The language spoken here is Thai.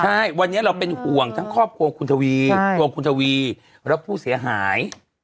ใช่วันนี้เราเป็นห่วงทั้งครอบครัวคุณทวีห่วงคุณทวีและผู้เสียหาย